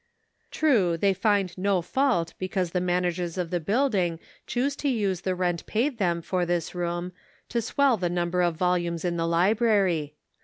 True, they find no fault because the managers of the building choose to use the rent paid them for this room to swell the number of volumes in the library.